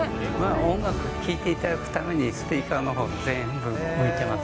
音楽を聴いていただくために、スピーカーのほうを全部向いてます。